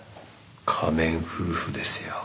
仮面夫婦ですよ。